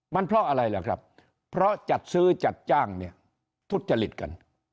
มันเพราะอะไรล่ะครับเพราะจัดซื้อจัดจ้างเนี่ยทุจริตกัน